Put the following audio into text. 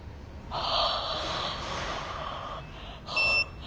ああ。